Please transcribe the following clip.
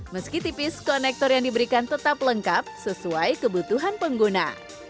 meski tipis konektor yang diberikan tetap lengkap sesuai kebutuhan pengguna